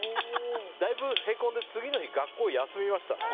だいぶへこんで次の日、学校を休みました。